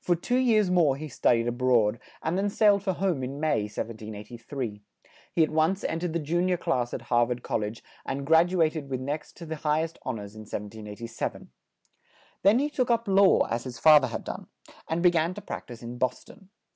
For two years more he stud ied a broad, and then sailed for home in May, 1783. He at once en tered the jun ior class at Har vard Col lege and grad u a ted with next to the high est hon ors in 1787. Then he took up law, as his fa ther had done, and be gan to prac tise in Bos ton.